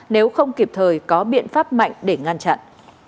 nếu không kịp thời có biện pháp mạnh để ngăn chặn